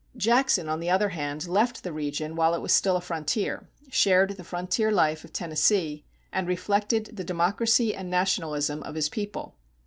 Jackson, on the other hand, left the region while it was still a frontier, shared the frontier life of Tennessee, and reflected the democracy and nationalism of his people.